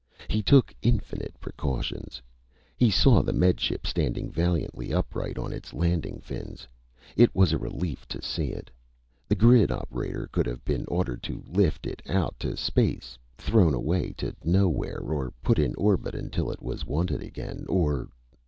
He took infinite precautions. He saw the Med Ship standing valiantly upright on its landing fins. It was a relief to see it. The grid operator could have been ordered to lift it out to space thrown away to nowhere, or put in orbit until it was wanted again, or....